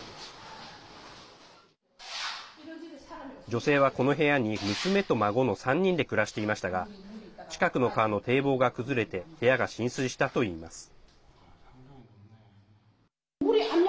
女性は、この部屋に娘と孫の３人で暮らしていましたが近くの川の堤防が崩れて部屋が浸水したといいます。